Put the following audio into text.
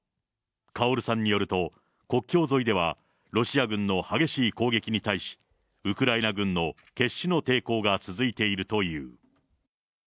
カオルさんによると、国境沿いでは、ロシア軍の激しい攻撃に対し、ウクライナ軍の決死の抵抗が続いているという。